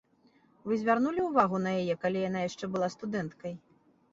Вы звярнулі ўвагу на яе, калі яна яшчэ была студэнткай?